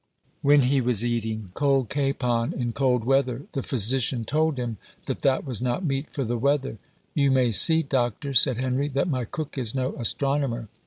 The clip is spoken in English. When he was eating a cold capon in cold weather, the physician told him that that was not meat for the weather. "You may see, doctor," said Henry, "that my cook is no astronomer."